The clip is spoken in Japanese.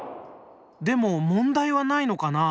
でも問題はないのかなあ？